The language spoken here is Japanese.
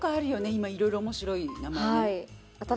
今いろいろ面白い名前。